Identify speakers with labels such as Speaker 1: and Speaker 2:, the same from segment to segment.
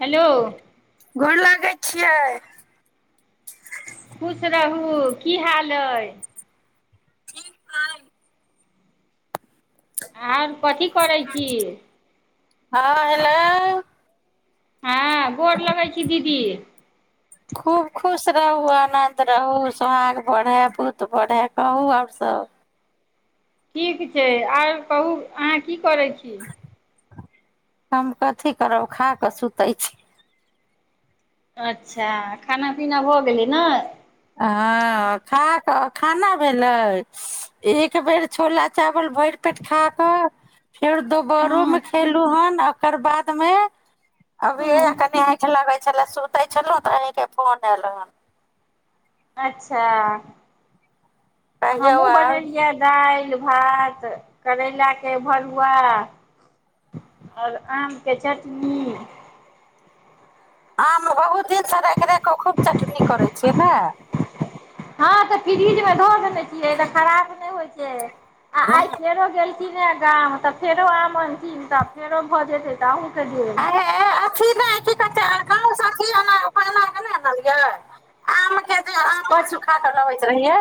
Speaker 1: Hello
Speaker 2: गोर लागै छियै
Speaker 1: खुश रहू की हाल अइ
Speaker 2: ठीक है
Speaker 1: आर कथी करै छी
Speaker 2: हँ हेलो
Speaker 1: हँ गोर लगै छी दीदी
Speaker 2: खूब खुश रहू आनन्द रहू सोहाग बढ़य पूत बढ़य कहू आओर सभ
Speaker 1: ठीक छै आर कहू अहाँ की करै छी
Speaker 2: हम कथी करब खा कऽ सुतै छी
Speaker 1: अच्छा खाना पीना भऽ गेली ने
Speaker 2: हँ खा कऽ खाना भेलै एक बेर छोला चावल भरि पेट खा कऽ फेर दोबारो
Speaker 1: हँ
Speaker 2: में खेलु हन एककर बाद मे अभी
Speaker 1: हँ
Speaker 2: कन अईट लेबय छले सुतै छलहु तऽ अहींके फोन एयल हन
Speaker 1: अच्छा
Speaker 2: कहियौ
Speaker 1: हमहुँ
Speaker 2: आर
Speaker 1: बनेलियै दालि भात करैलााक के भरुआ आओर आम के चटनी
Speaker 2: आ बहुत दिन सब एकरे क खूब चटनी करै छियै नए
Speaker 1: हँ तऽ फ्रिजमे धऽ देने छियै तऽ खराब नहि होइत छै आ
Speaker 2: हँ
Speaker 1: आयत नेरो गेल चह गाम तऽ फेरो आम चह तऽ फेो भऽ जेतै त कटि गेलय
Speaker 2: आ- ना केना आनलियै आम के नहि आम
Speaker 1: कथी
Speaker 2: सुखा क लगैत रहियै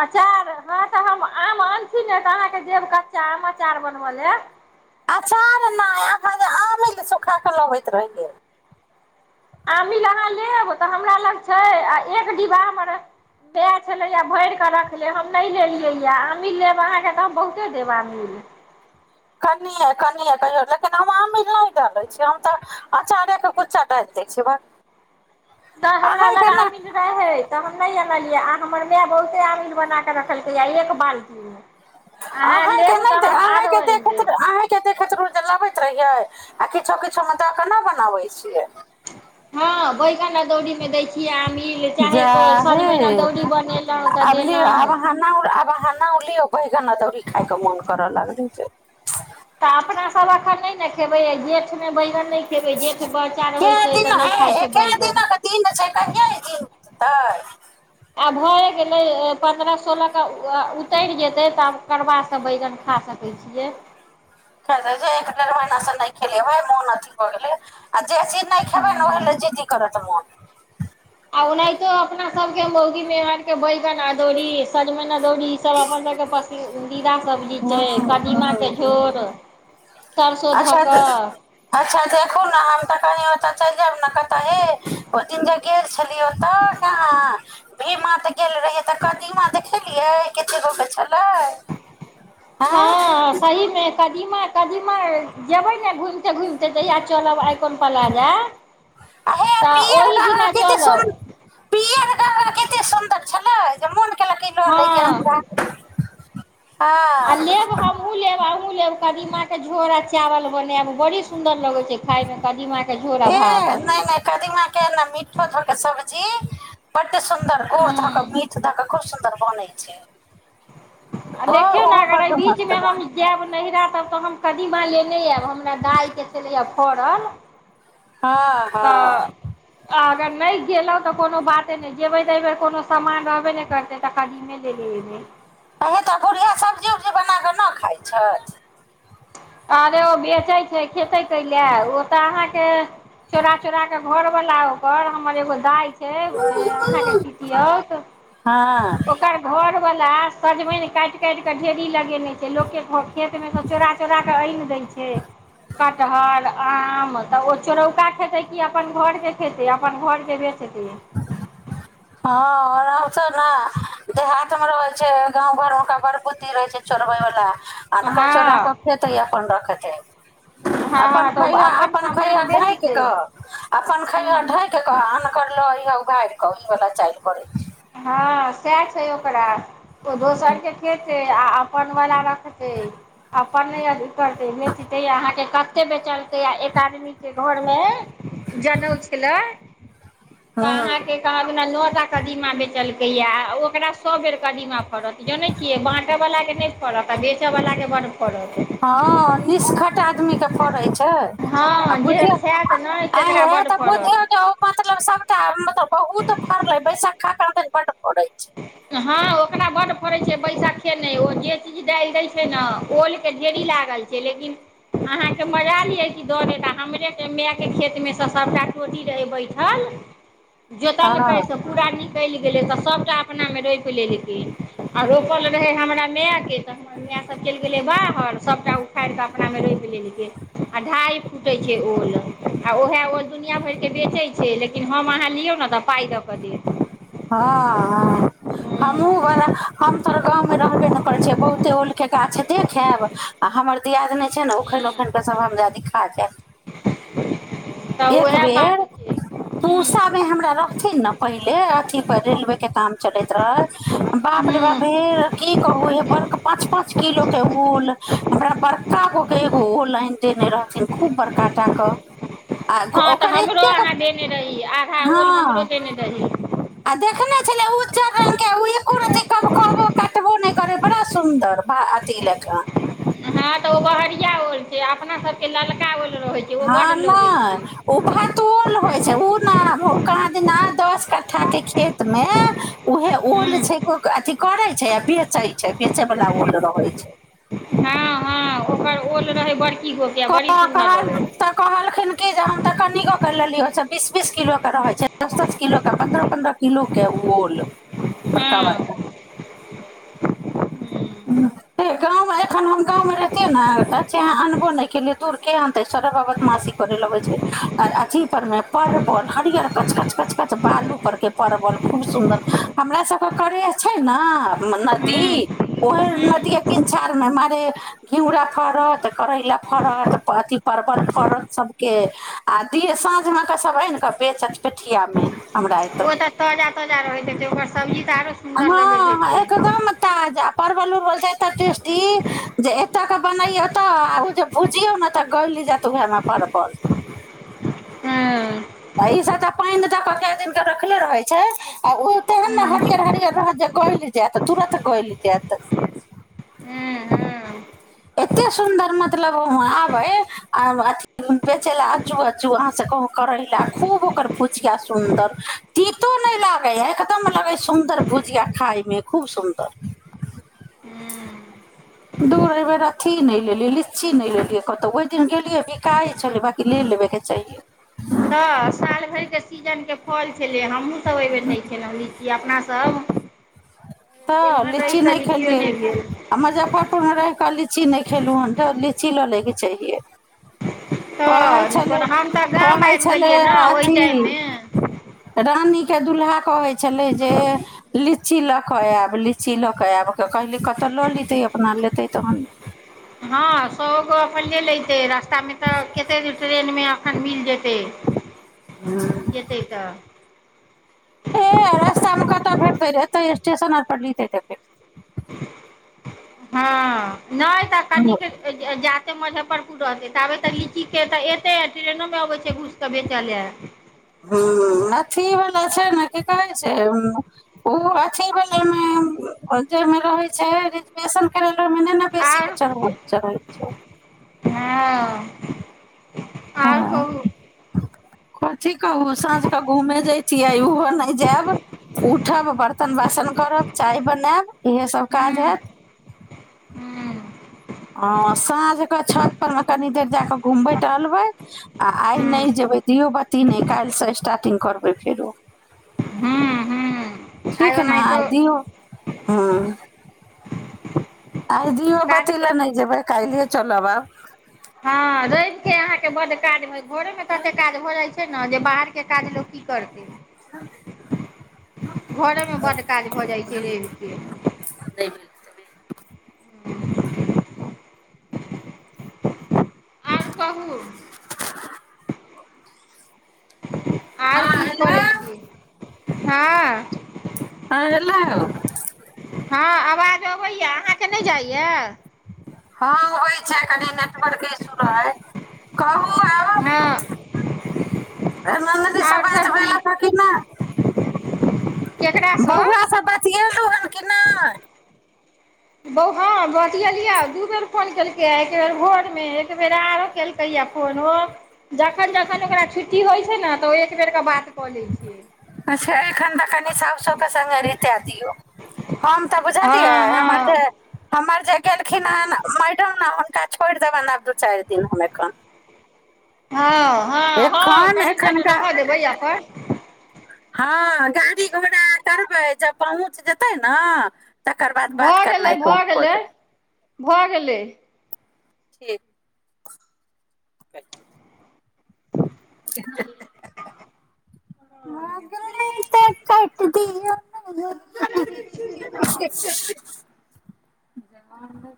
Speaker 1: अचार हँ तऽ हम आम आन छी ने तऽ अहाँके देब कच्चा आम अचार बनबय लेब
Speaker 2: अचार नहि आ जे आम ल सुखा कऽ लबैत रहि गेल
Speaker 1: आमिल अहाँ लेब तऽ हमरा लग छै आ एक डिब्बामेर दए छलैए भरि कऽ रखलेब हम नहि लेलियैए आमिल लेब अहाँके तऽ हम बहुते देब आमिल
Speaker 2: कनिए कनिए कहियो लेकिन हम आमीर नहि डालै छीिय हम तऽ अँचारेके गुच्चा डालि दै छिय
Speaker 1: त हमरा लग आमील रहे तऽ नहि आनलियै आ हमर माय बहुते अमीिल बना क रखलकैएा एक बाल्टीमे अहाँ
Speaker 2: अं के
Speaker 1: लेब तऽ
Speaker 2: नहि
Speaker 1: हम आरो
Speaker 2: अह
Speaker 1: आनि
Speaker 2: देख
Speaker 1: देब
Speaker 2: अहीं के देखैत लबैत रहिये आ किछो किछु म तब केना बनाबै छियै
Speaker 1: हँ बैगन अदौरी मे दै छियै आमिल चाहे
Speaker 2: जा हे
Speaker 1: सजमनि अदौरी बनेलहुँ तऽ
Speaker 2: आब लि
Speaker 1: देलहुँ
Speaker 2: आब ह आब ह लि बैगन अदौड़री खाायके मोन करऽ लगल त
Speaker 1: तऽ अपना सब एखन नहि ने खेबै जेठमे बै नहि खेबै जेठ बच्चा
Speaker 2: कै
Speaker 1: होै छै
Speaker 2: दिन
Speaker 1: तऽ नहि
Speaker 2: है
Speaker 1: खाइ छै
Speaker 2: कै
Speaker 1: बैगन
Speaker 2: दिनक दिन छै कहिया ई दिन बिततै
Speaker 1: आब भए गेलै पन्द्रह सोलह के उतरि जेतै तऽ आब करबासँ बैगन खा सकै छियै
Speaker 2: खेतै जे भ गेलय आ जे चीज नहि खेबै ने ओहि लए जिद्दी करत मोन
Speaker 1: आ ओनाहितो अपना सबके मौगी मेहर के बैगन अदोरी सजमनिना दौरीी ई सब अपन सबके पसिन घिरा सब्जी छै कदीमाके झोर सरसो धऽ
Speaker 2: अच्छा
Speaker 1: कऽ
Speaker 2: अच्छा देखू ने हम तऽ कहनि ओतऽ चलि जायब ने कतऽ हे ओ दिन देख गेल छलियै तऽ यह भीमा त
Speaker 1: [unintelligible]
Speaker 2: किछु दुसै छलय
Speaker 1: हँ सही मे काज कदीमा कदीमा जेबै ने घुमिते घुमिते जहिया चलब आइ
Speaker 2: हे
Speaker 1: तऽ
Speaker 2: पियर
Speaker 1: ओहि
Speaker 2: गह गह
Speaker 1: दिना चलब
Speaker 2: कतेक सुन्दर छलै जे मन ल क लो हो लै क [inaudible]
Speaker 1: हँ आ लेब हमहुूँ लेब आउ लेब कदीमा के झोरा चावल बनाब बड़ी सुन्दर लगै छै खायमे कदीमाके झोर आ भात
Speaker 2: ए नहि नहि कदीमा के मीठो छ सब्जी एतेक सुंन्दर गोर धक
Speaker 1: हूँ
Speaker 2: मीठ धक खुब सुन्दर बनै छै
Speaker 1: आ
Speaker 2: ओ
Speaker 1: देखियौ ने
Speaker 2: ओहो
Speaker 1: अगर
Speaker 2: बड्ड
Speaker 1: बीच मे
Speaker 2: मस्त
Speaker 1: हम
Speaker 2: बनै
Speaker 1: जायब नैहरा तब तऽ हम कदीमा लेने आयब हमरा दालिके चैए फड़ल
Speaker 2: हँ हँ
Speaker 1: तऽ अगर नहि गेलहुँ तऽ कोनो बाते नहि जेबै तऽ एहि बेर कोनो सामान रहबे नहि करतै तऽ कदीमे लेलियबै
Speaker 2: अी तऽ बुढ़हिए सब्जी उब्जी बना कऽ नहि खाइत छथि
Speaker 1: अरे ओ बेचे छै खेते क ले ओ तऽ अहाँके चोरा चोरा के घरवलाा ओकर हमर एगो दाय खेबैय अहाँके पितउट
Speaker 2: हँ
Speaker 1: ओकर घर वला सजमनि काटि काटिऽ ढेरी लग छै लोकके खेत मे चोरा चोरा के आनि दै छै कटहर आम तऽ ओ चोरौका खेतै कि अपन घरके खेतै अपन घरके बेचतै
Speaker 2: हँ त ने देहात मे रहै छै गाँव घर मे क बड़ बुत्ती रहे छै छोड़बे वाल अनक
Speaker 1: हँ
Speaker 2: चोराक खेतय अपन रखतै अपन
Speaker 1: हँ तऽ ओ
Speaker 2: खैहऽ अपन
Speaker 1: सामान
Speaker 2: खैहे ढकि
Speaker 1: बेचतै
Speaker 2: कऽ अपन खैहऽ
Speaker 1: हँ
Speaker 2: ढक अऽन करल अयह उघारि कए उ वला चाइल करय छै
Speaker 1: हँ सएह छै ओकरा ओ दोसर कें खेत से आ अपन वला रख से अपन नै अथि करतैय न अहाँ कते बेचलते आ एक आदमी के घर मे जनउ छल तऽ
Speaker 2: हँ
Speaker 1: अहाँके कहाँ दूना नअ चलकैया ओकरा सब बेर कदीमा पड़त जनै छियै बाँटऽ वला के नहि पड़त त बेचऽवलाके बड़
Speaker 2: हँ निष्खट आदमीे फोरैत च्छै
Speaker 1: हँ
Speaker 2: आऐं
Speaker 1: जे
Speaker 2: बुझियौ
Speaker 1: खायत नहि तकरा
Speaker 2: आ
Speaker 1: बड्ड
Speaker 2: तऽ
Speaker 1: फड़त
Speaker 2: बुझियौ जे ओ मतलब सभटा मतलब बहुत फड़लै बैसख खा खा बड प छै
Speaker 1: हँ ओकरा बड्ड पड़ैत छै बैशाखे नहि ओ जे चीज डालि दैत छै ने ओलके ढेरी लागल छै लेकिन अहाँके मजा नहि अइ कि द देत हमरे मायके खेतमे सँ सभटा चोटी रहै बैठल जोतलकै
Speaker 2: हँ
Speaker 1: से पूरा निकलि गेले तऽ सबटा रोपि लेलकै आ रोपल रहै हमरा मायके तऽ हमर माय सभ चलि गेलै बाहर सभटा उखाड़ि कऽ अपनामे रोपि लेलकै आ ढाइ फूटैत छै ओल आ ओएह ओल दुनिआँ भरिके बेचैत छै लेकिन हम अहाँ लियौ ने तऽ पाइ दऽ कऽ देब
Speaker 2: हमहु अहाँ हम तोहर गाँवमे रहबे ने करै छिय बहुते ओलके गाछ देखयब आ हमर दियाद नहि छै ने उखरि उखरि कऽ सभ हम ज्यादी खा जायब
Speaker 1: तऽ
Speaker 2: एक
Speaker 1: उएह
Speaker 2: बेर
Speaker 1: बात छै हूँ
Speaker 2: पुसामे हमरा रहथिन नए पहिले अथी पर रेलवे के दाम चलैत रहे बाप रे बाप
Speaker 1: हूँ
Speaker 2: हे की कहू हे बड़क पाच पाच किलो के ल हमरा बड़का गो के एगो ओ लाइन देने रहथिन खूब बड़का टा के
Speaker 1: हँ तऽ हमरो अहाँ देने रही आधा ओल हमरो
Speaker 2: हँ
Speaker 1: देने रही
Speaker 2: आ देखने छलै उ चार र्गके एको रबो काटबो नहि करै बड़ा सुन्दर अथी लए कऽ
Speaker 1: हं तऽ ओ बहरिया ओल छै अपना सब के ललका ओल रहै छै ओ
Speaker 2: हँ
Speaker 1: बड्ड लगै
Speaker 2: नहि
Speaker 1: छै
Speaker 2: ओ भातोल होइ छै ओ नहि कहाँ दिन आय दस कट्ठा के खेत मे उह ओल
Speaker 1: हूँ
Speaker 2: छै अथी करै छै आ बेचै छै बेचे बला ओल रहै छै
Speaker 1: हँ हँ ओकर ओल रहै बढिया
Speaker 2: कह तऽ कहलखिन कि जे हम तऽ कनि िय बीस बीस किलो के रहै छै दस दस किलो के पन्द्रह पन्द्रह किलो के ओ ओल बड़का
Speaker 1: हँ
Speaker 2: बड़का हे गाँवमे एखन हम गाँवमे रहितियै ने अहाँ अनबो नहि केलियै दूर के आनतै सरव बदमाशी करय लगै छै आ अथीपरमे परवल हरियर कच कच कच कच बालू पररके परवल खूब सुन्दर हमरा सभके करेह छै नए
Speaker 1: हूँ
Speaker 2: नदी
Speaker 1: हूँ
Speaker 2: ओह नदिये किनारमे मारे घिउरा फड़त करैला फड़त अथिी परवल फड़त सभके आ दि साँझमे कऽ सभ आनि कऽ बेचत पेठियामे
Speaker 1: ओ तऽ ताजा ताजा रहैत छै
Speaker 2: हँ एक दम ताजा परवल उर्वल छै ए टेस्टी जे एतऽ के बनैयौ तऽ ओ जे भुजियौ ने तऽ गौली जात उएहमे परवल पल
Speaker 1: हँ
Speaker 2: ताहि स जे पाइन प कए दिन रखले रहै छै आ ओ तेहन ने
Speaker 1: हूँ
Speaker 2: हरियर हरियर रहत जे गइल जायत तुरत गइल जायत
Speaker 1: हूँ हूँ
Speaker 2: एतेक सुन्दर मतलब वाँ आबै आ अथि बेचय लए आज्जू अज्जू अहाँसँ कहू करै लए खूब ओकर भुजिया सुन्दर तितो नहि लागै ह एकदम लगै सुन्दर भुजिया खायमे खूब सुन्दर
Speaker 1: हूँ
Speaker 2: दूर एहि बेेर अथी नहि लेलियै लीची नहि लेलियै कतहु ओहि दिन गेलियै बिका गेल छलै बाकी ले लेबेके चायैज
Speaker 1: तऽ साल भरि सीजनके फल छलै हमहुँ बेर नहि खेल अपना सभ
Speaker 2: तऽ लीची नहि खेलि
Speaker 1: नहि भेल
Speaker 2: आ मुजफरपुर आ एहि के लीची नहि खेलहुं हन तऽ लीची लऽ लैके चाहिए कहै
Speaker 1: हऽ नहि
Speaker 2: छलै
Speaker 1: कोनो हम तऽ गाम
Speaker 2: कहै
Speaker 1: आबि
Speaker 2: छलै
Speaker 1: गेलियै ने ओहि
Speaker 2: अथी
Speaker 1: जाइमे
Speaker 2: के दुूल्हा कहै छै छलै जे ची लऽ कऽ आब ली ची लऽ कऽ आयबि कऽ कहली कतय लऽ लेतै अपना लेतै तहन
Speaker 1: हँ स ग अपन ल लतै र त तऽ कते ्रेन मे खन मिल जेतै जेतै त
Speaker 2: तऽ स्टेशन आर पटल तै
Speaker 1: हँ नहि तऽ कन जा मुजफ्फरपुर रहतै तऽ आबे तऽ लीचीक के तऽ एतै ट्रेनो मे अबैत छै घूस तऽ बेचऽ ल
Speaker 2: ह अथी वाला की कह छै ओ अथी व मे मे रहै छै रवेशन म ने बेसी
Speaker 1: आओर
Speaker 2: किछु छै
Speaker 1: हँ आउर कहू
Speaker 2: ख की कहू साँझ कऽ घूमे जाइ छीयै ओहो नहि जायब उठब बर्तन बासन करब चाय बनायब इएह सब
Speaker 1: हूँ
Speaker 2: काज होयत
Speaker 1: हूँ
Speaker 2: हन सांझ के छत पर तनि देर जा कए घूमबय टहलबय आ नए
Speaker 1: हूँ
Speaker 2: जेबय दियो बाती नए कायल से स्टार्टिंग करवाए फेर से
Speaker 1: हूँ हूँ
Speaker 2: ठीक
Speaker 1: आइ
Speaker 2: ने आ
Speaker 1: ओनाहितो
Speaker 2: दियौ ह आइ दियओ
Speaker 1: काज
Speaker 2: बति ल नहि जेबै काल्हिए चलब आब
Speaker 1: हँ रवि के अहाँके बड काज हो भोरे मे कते काज हो जाय छै ने जे बाहर के काज लोक की करतै घरेमे बड्ड काज भऽ जाइ छै रवि के [unintelligible] कहू आर
Speaker 2: हँ
Speaker 1: की
Speaker 2: हेलो
Speaker 1: करै छी हँ
Speaker 2: आौ
Speaker 1: हँ आवाज अबैए अहाँके नहि जाइए
Speaker 2: हँ होइ छै कनि नेटवर्क इश्यू रहय
Speaker 1: हँ
Speaker 2: न नी सब
Speaker 1: आओर
Speaker 2: बात
Speaker 1: ठीक
Speaker 2: भेल
Speaker 1: केकरासँ
Speaker 2: बौआ सब बच क केना
Speaker 1: बौ हँ बतियलियै दू बेर फोन केलकैए एक बेर भोरमे एक बेेर आरो केलकैए फोन ओ जखन जखन ओकरा छुट्टी होइ छै ने तऽ ओ एक बेरके बात कऽ लै छियै
Speaker 2: अच्छा एखन त कनि साउ स के सङ्गे रीते दियऔ हम तऽ बुझलियै
Speaker 1: हँ
Speaker 2: हमर जे
Speaker 1: हँ
Speaker 2: हमर जे गेलखिन हन मैड छोड़ देबाक ल दू चारि दन हममे कम
Speaker 1: हँ हँ हँ
Speaker 2: एखन
Speaker 1: कनि देर
Speaker 2: एखनका
Speaker 1: रहऽ देबै [unintelligible]
Speaker 2: हँ गाड़ी घोड़ा करबै जब पहुँच जेतै ने तकर बाद बात
Speaker 1: भऽ
Speaker 2: करनाइ
Speaker 1: गेलै
Speaker 2: कम
Speaker 1: भऽ
Speaker 2: कऽ
Speaker 1: गेलै
Speaker 2: देबै
Speaker 1: भऽ गेलै
Speaker 2: ठीक [unintelligible] श [unintelligible] जगमे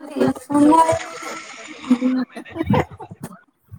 Speaker 2: प्रिय सुनाइ।